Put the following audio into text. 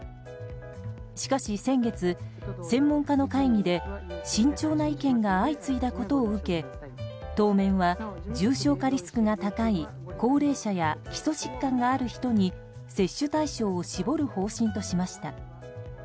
しかし先月、専門家の会議で慎重な意見が相次いだことを受け当面は重症化リスクの高い高齢者や基礎疾患がある人に接種対象を絞る方針としました。